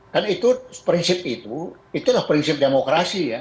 kan itu prinsip itu itulah prinsip demokrasi ya